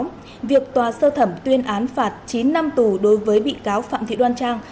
trong đó việc tòa sơ thẩm tuyên án phạt chín năm tù đối với bị cáo phạm thị đoan trang